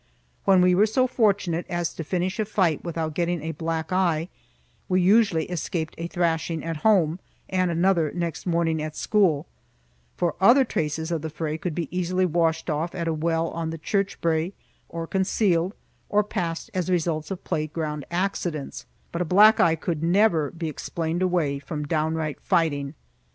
When we were so fortunate as to finish a fight without getting a black eye, we usually escaped a thrashing at home and another next morning at school, for other traces of the fray could be easily washed off at a well on the church brae, or concealed, or passed as results of playground accidents; but a black eye could never be explained away from downright fighting.